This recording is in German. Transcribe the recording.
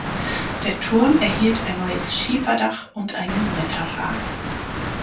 Der Turm erhielt ein neues Schieferdach und einen Wetterhahn.